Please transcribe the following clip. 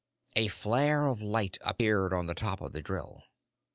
A flare of light appeared on the top of the drill.